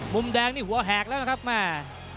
มุมแดงนี่หัวแห่งแล้วครับมา